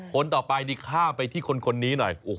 คนต่อไปดีค่ะไปที่คนนี้หน่อย